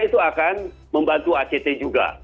itu akan membantu act juga